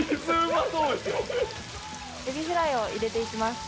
エビフライを入れていきます。